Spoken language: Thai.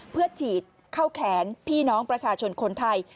เพื่อฉีดเข้าแขนพี่น้องประชาชนคนไทย